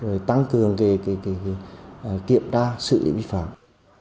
và tăng cường kiểm tra sử dụng giấy phép lái xe